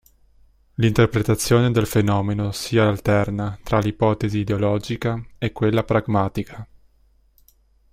L'interpretazione del fenomeno si alterna tra l'ipotesi "ideologica" e quella "pragmatica".